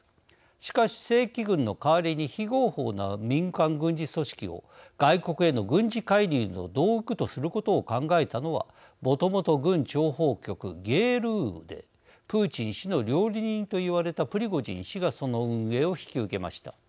しかし正規軍の代わりに非合法な民間軍事組織を外国への軍事介入の道具とすることを考えたのはもともと軍諜報局＝ＧＲＵでプーチン氏の料理人と言われたプリゴジン氏がその運営を引き受けました。